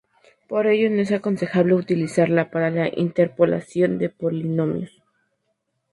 Por ello no es aconsejable utilizarla para la interpolación de polinomios.